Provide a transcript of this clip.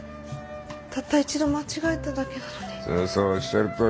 たった一度間違えただけなのに。